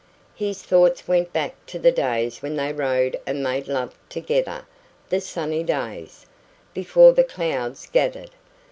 His thoughts went back to the days when they rode and made love together the sunny days, before the clouds gathered.